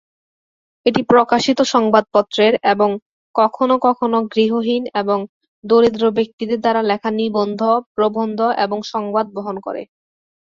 এটি প্রকাশিত সংবাদপত্রের এবং কখনও কখনও গৃহহীন এবং দরিদ্র ব্যক্তিদের দ্বারা লেখা নিবন্ধ, প্রবন্ধ এবং সংবাদ বহন করে।